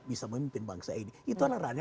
bisa memimpin bangsa ini itu adalah ranah